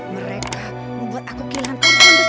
mereka membuat aku kehilangan kepentingan besar